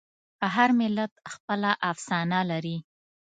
هر ملت خپله افسانه لري.